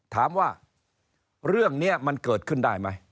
ถามว่าเรื่องนี้มันเกิดขึ้นได้ไหม